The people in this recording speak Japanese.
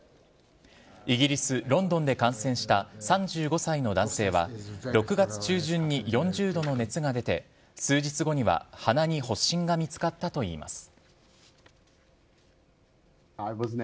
イギリス・ロンドンで感染した３５歳の男性は、６月中旬に４０度の熱が出て、数日後には鼻に発疹が見つかったといいます。